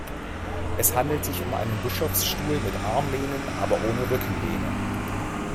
Es handelt sich um einen Bischofsstuhl mit Armlehnen, aber ohne Rückenlehne.